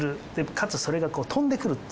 かつそれが飛んでくる。